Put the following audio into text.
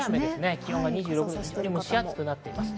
気温が２６度と蒸し暑くなっています。